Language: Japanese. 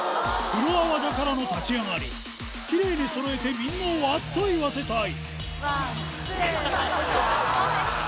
フロア技からの立ち上がり、きれいにそろえてみんなをあっと言わせたい。